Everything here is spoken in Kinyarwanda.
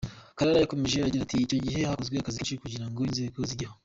Karara yakomeje agira ati « Icyo gihe hakozwe akazi kenshi kugira ngo inzego zijyeho.